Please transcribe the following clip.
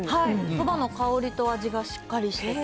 そばの香りと味がしっかりしてて。